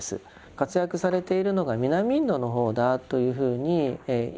活躍されているのが南インドの方だというふうにいわれています。